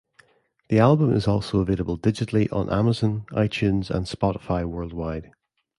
The album is also available digitally on Amazon, iTunes, and Spotify worldwide.